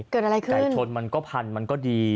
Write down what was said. เกิดอะไรขึ้นไก่ชนมันก็พันมันก็ดี